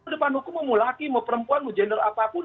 depan hukum mau laki mau perempuan mau gender apapun